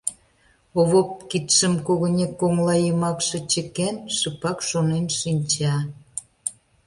Овоп, кидшым когынек коҥлайымакше чыкен, шыпак шонен шинча.